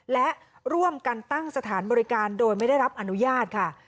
และร่วมกันตั้งสถานบริการโดยไม่ได้รับอนุญาตค่ะ